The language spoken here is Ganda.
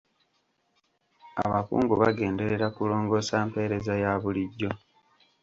Abakungu bagenderera kulongoosa empeereza ya bulijjo.